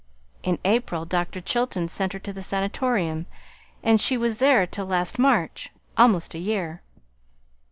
In April Dr. Chilton sent her to the Sanatorium, and she was there till last March almost a year.